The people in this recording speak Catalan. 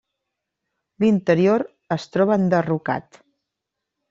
L'interior es troba enderrocat.